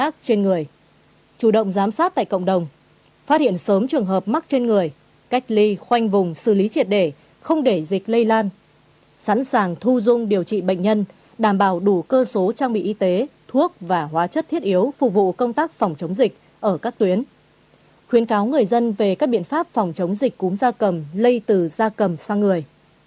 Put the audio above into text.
bốn chủ động giám sát tại cộng đồng phát hiện sớm trường hợp mắc trên người cách ly khoanh vùng xử lý triệt để không để dịch lây lan sẵn sàng thu dung điều trị bệnh nhân đảm bảo đủ cơ số trang bị y tế thuốc và hóa chất thiết yếu phục vụ công tác phòng chống dịch ở các tuyến khuyến cáo người dân về các biện pháp phòng chống dịch cúm gia cầm lây từ gia cầm sang người